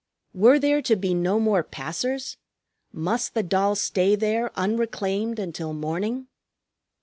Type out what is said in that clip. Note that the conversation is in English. Were there to be no more passers? Must the doll stay there unreclaimed until morning?